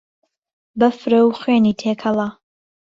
بهفره و خوێنی تێکهڵه